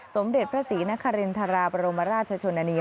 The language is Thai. สมเด็จพระศรีนครินทราบรมราชชนนานี